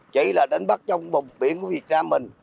chỉ là đánh bắt trong vùng biển của việt nam mình